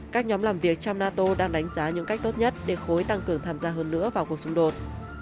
các nhóm làm việc trong nato đang đánh giá những cách tốt nhất để khối tăng cường tham gia hơn nữa vào cuộc xung đột